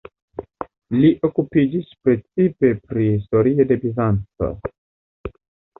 Li okupiĝis precipe pri historio de Bizanco.